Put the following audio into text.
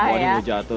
oh dia mau jatuh